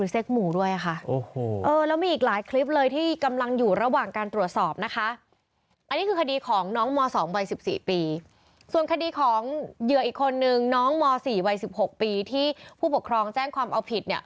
ส่วนคดีของเหยื่ออีกคนนึงน้องม๔วัย๑๖ปีที่ผู้ปกครองแจ้งความเอาผิดเนี่ย